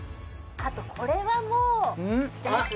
あとこれはもう知ってます？